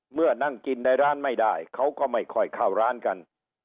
นั่งกินในร้านไม่ได้เขาก็ไม่ค่อยเข้าร้านกัน